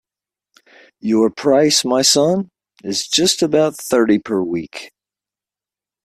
Your price, my son, is just about thirty per week.